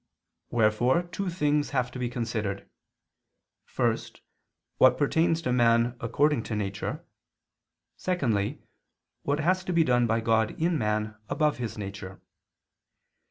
Wherefore two things have to be considered: first, what pertains to man according to nature; secondly, what has to be done by God in man above his nature.